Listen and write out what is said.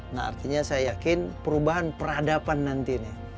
nah artinya saya yakin perubahan peradaban nanti ini